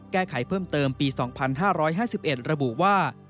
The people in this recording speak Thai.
แก้ไขเพิ่มเติมปี๒๕๕๑ระบุว่า